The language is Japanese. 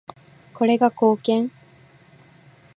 これが貢献？